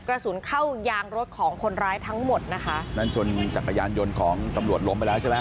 กระสุนเข้ายางรถของคนร้ายทั้งหมดนะคะนั่นชนจักรยานยนต์ของตำรวจล้มไปแล้วใช่ไหม